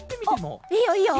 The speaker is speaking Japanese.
あっいいよいいよ！